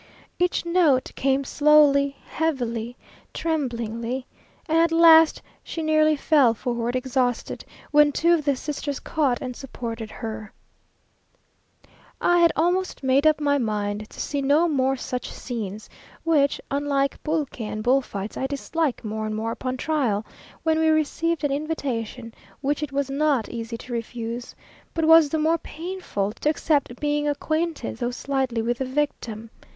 Each note came slowly, heavily, trembingly; and at last she nearly fell forward exhausted, when two of the sisters caught and supported her. I had almost made up my mind to see no more such scenes, which, unlike pulque and bull fights, I dislike more and more upon trial; when we received an invitation, which it was not easy to refuse, but was the more painful to accept, being acquainted, though slightly, with the victim.